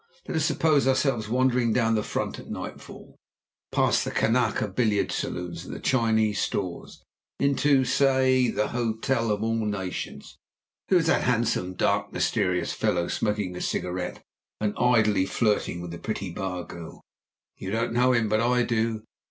Let us suppose ourselves wandering down the Front at nightfall, past the Kanaka billiard saloons and the Chinese stores, into, say, the Hotel of All Nations. Who is that handsome, dark, mysterious fellow, smoking a cigarette and idly flirting with the pretty bar girl? You don't know him, but I do!